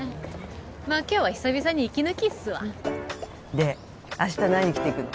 まあ今日は久々に息抜きっすわで明日何着てくの？